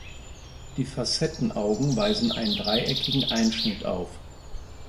Die Facettenaugen weisen einen dreieckigen Einschnitt auf.